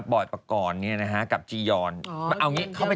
บอยประกอนนี่นะ